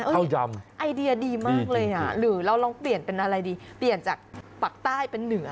ข้าวยำไอเดียดีมากเลยอ่ะหรือเราลองเปลี่ยนเป็นอะไรดีเปลี่ยนจากปากใต้เป็นเหนือ